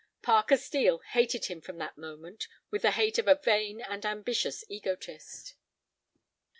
Parker Steel hated him from that moment with the hate of a vain and ambitious egotist.